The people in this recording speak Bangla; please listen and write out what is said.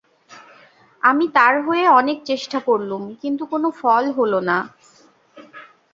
আমি তার হয়ে অনেক চেষ্টা করলুম, কিন্তু কোনো ফল হল না।